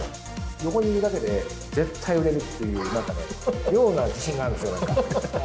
横にいるだけで絶対売れるっていう、なんか妙な自信があるんですよ、なんか。